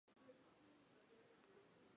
于是他们决定进行一段时间的休养。